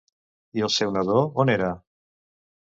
I el seu nadó on era?